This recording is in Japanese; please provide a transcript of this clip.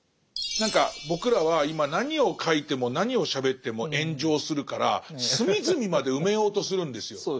何か僕らは今何を書いても何をしゃべっても炎上するから隅々まで埋めようとするんですよ。